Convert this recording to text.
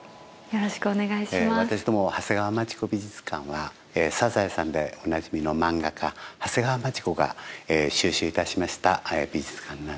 私ども長谷川町子美術館は『サザエさん』でおなじみの漫画家長谷川町子が収集いたしました美術館なんです。